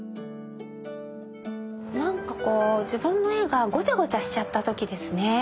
なんかこう自分の絵がごちゃごちゃしちゃった時ですね。